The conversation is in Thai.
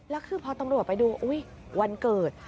แล้วคือพอตำรวจไปดูอุ๊ยวันเกิด